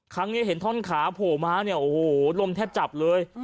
ครั้งนี้เห็นท่อนขาโผล่มาเนี่ยโอ้โหลมแทบจับเลย